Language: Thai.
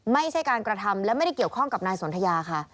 ไม่ใช่การกระทำและไม่ได้เกี่ยวข้องกับนายสนทยาค่ะ